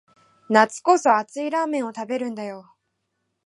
夏こそ熱いラーメンを食べるんだよ